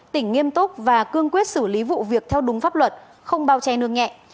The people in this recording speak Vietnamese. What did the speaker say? tỉnh nghiêm túc và cương quyết xử lý vụ việc theo đúng pháp luật không bao che nương nhẹ